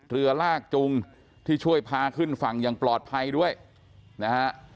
เรือลากจุงที่ช่วยพาขึ้นฝั่งอย่างปลอดภัยด้วยนะฮะ